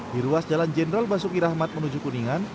di ruas jalan jenderal basuki rahmat menuju kuningan